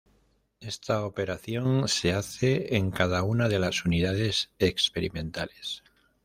Esta operación se hace en cada una de las unidades experimentales.